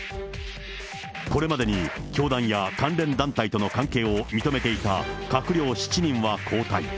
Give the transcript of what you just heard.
これまでに、教団や関連団体との関係を認めていた閣僚７人は交代。